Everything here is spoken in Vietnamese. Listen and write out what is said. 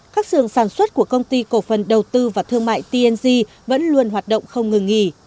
các xưởng sản xuất của công ty cổ phần đầu tư và thương mại tng vẫn luôn hoạt động không ngừng nghỉ